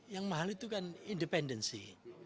yang mahal itu kan independensi